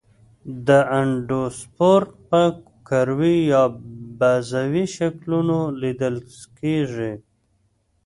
دا اندوسپور په کروي یا بیضوي شکلونو لیدل کیږي.